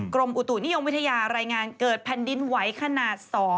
กรมอุตุนิยมวิทยารายงานเกิดแผ่นดินไหวขนาด๒